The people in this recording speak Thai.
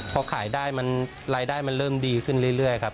พอขายได้มันรายได้มันเริ่มดีขึ้นเรื่อยครับ